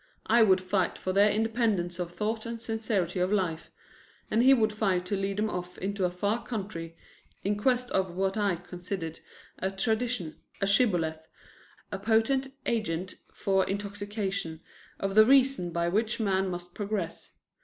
I would fight for their independence of thought and sincerity of life, and he would fight to lead them off into a far country in quest of what I considered a tradition, a shibboleth, "a potent agent for intoxication" of the reason by which man must progress.